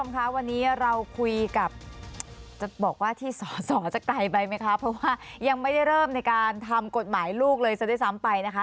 เพราะว่ายังไม่ได้เริ่มในการทำกฎหมายลูกเลยสักทีซ้ำไปนะคะ